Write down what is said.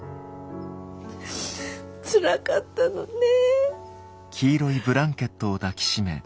つらかったのね。